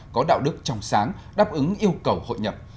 có đạo đức trong sáng đáp ứng yêu cầu hội nhập